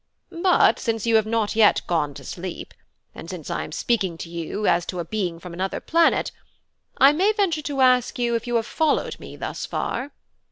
But since you have not yet gone to sleep, and since I am speaking to you as to a being from another planet, I may venture to ask you if you have followed me thus far?"